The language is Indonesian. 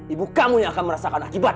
ibu kamu yang akan merasakan akibat